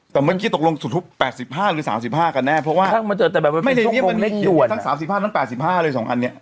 แต่เมื่อกี้ตกลงจุดทุบ๘๕หรือ๓๕กันแน่เพราะว่าทั้ง๓๕ทั้ง๘๕เลย๒อันเนี่ย